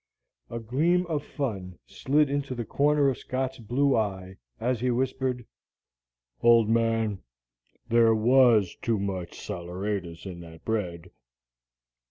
A gleam of fun slid into the corner of Scott's blue eye, as he whispered, "Old man, thar WAS too much saleratus in that bread."